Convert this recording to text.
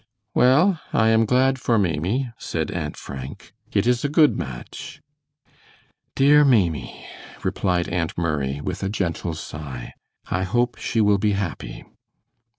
"Well, I am glad for Maimie," said Aunt Frank; "it is a good match." "Dear Maimie," replied Aunt Murray, with a gentle sigh, "I hope she will be happy."